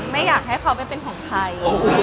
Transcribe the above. ไม่อยากให้เขาไปเป็นของใคร